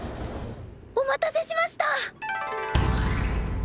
お待たせしました！